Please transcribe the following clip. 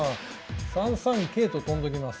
３三桂と跳んどきます。